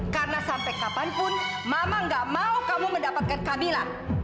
karena sampai kapanpun mama gak mau kamu mendapatkan kamila